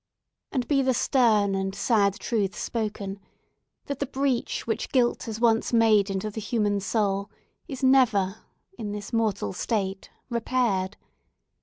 And be the stern and sad truth spoken, that the breach which guilt has once made into the human soul is never, in this mortal state, repaired.